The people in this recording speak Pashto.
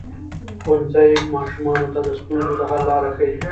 ښوونځی ماشومانو ته د ستونزو د حل لاره ښيي.